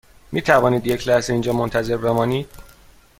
می توانید یک لحظه اینجا منتظر بمانید؟